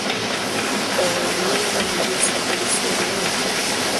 Onewandiisa ku lusoma olwo?